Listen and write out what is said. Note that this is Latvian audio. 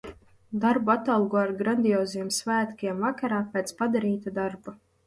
Darbu atalgoja ar grandioziem svētkiem vakarā, pēc padarītā darba.